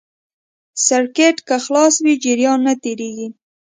سرکټ که خلاص وي جریان نه تېرېږي.